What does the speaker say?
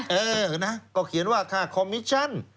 เออนะก็เขียนว่าค่าคอมมิชชั่น